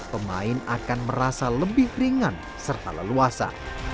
pemain akan merasa lebih ringan serta leluasa